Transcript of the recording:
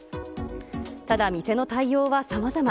ただ店の対応はさまざま。